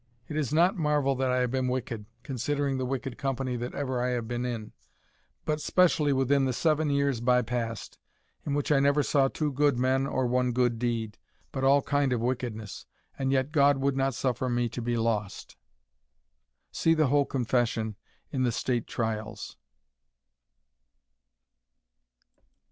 It is not marvel I have been wicked, considering the wicked company that ever I have been in, but specially within the seven years by past, in which I never saw two good men or one good deed, but all kind of wickedness, and yet God would not suffer me to be lost." See the whole confession in the State Trials.